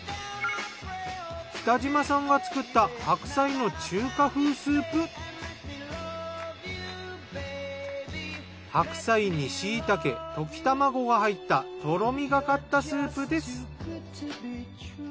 北嶋さんが作った白菜に椎茸溶き卵が入ったとろみがかったスープです。